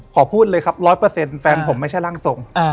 ขอพูดเลยครับ๑๐๐แฟนผมไม่ใช่ร่างทรง